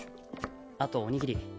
あとおにぎり。